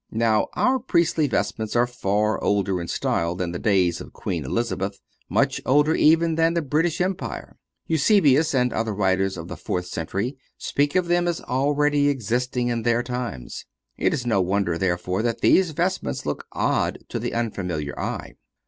Now, our priestly vestments are far older in style than the days of Queen Elizabeth; much older even than the British Empire. Eusebius and other writers of the fourth century speak of them as already existing in their times. It is no wonder, therefore, that these vestments look odd to the unfamiliar eye.